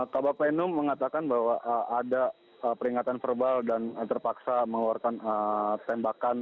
kabak penum mengatakan bahwa ada peringatan verbal dan terpaksa mengeluarkan tembakan